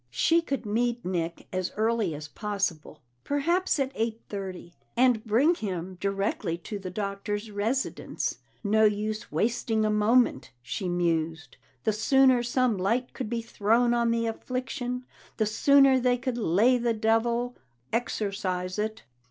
She could meet Nick as early as possible; perhaps at eight thirty, and bring him directly to the Doctor's residence. No use wasting a moment, she mused; the sooner some light could be thrown on the affliction, the sooner they could lay the devil exorcise it.